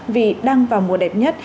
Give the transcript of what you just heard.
vì đang vào mùa đẹp nhất